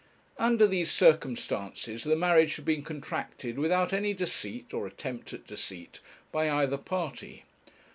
Under these circumstances the marriage had been contracted without any deceit, or attempt at deceit, by either party.